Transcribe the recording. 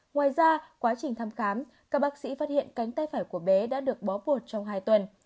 ngoài ra quá trình thăm khám các bác sĩ phát hiện cánh tay phải của bé đã được bó bột trong hai tuần